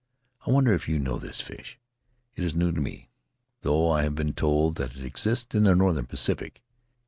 I wonder if you know this fish; it is new to me, though I have been told that it exists in the northern Pacific.